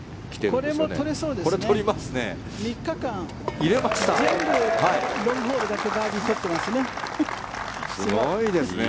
これも取れそうですね。